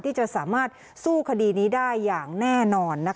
ที่จะสามารถสู้คดีนี้ได้อย่างแน่นอน